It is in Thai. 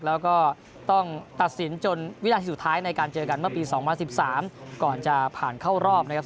แล้วก็ต้องตัดสินจนวินาทีสุดท้ายในการเจอกันเมื่อปี๒๐๑๓ก่อนจะผ่านเข้ารอบนะครับ